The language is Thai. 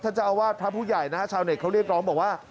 ถ้าจะเอาว่าพระผู้ใหญ่ชาวเน็ตเขาเรียกร้องบอกว่า